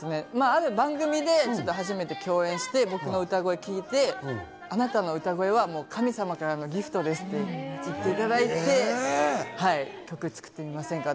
ある番組で初めて共演して僕の歌声聴いてあなたの歌声は神様からのギフトですって言っていただいて、曲作ってみませんか？